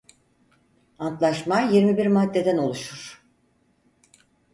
Antlaşma yirmi bir maddeden oluşur.